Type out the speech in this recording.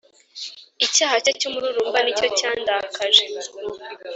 Icyaha cye cy umururumba ni cyo cyandakaje